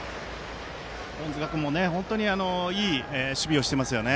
隠塚君も非常にいい守備をしていますね。